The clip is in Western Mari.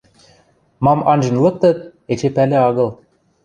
Мам анжен лыктыт — эче пӓлӹ агыл.